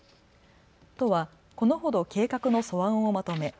都はこのほど計画の素案をまとめ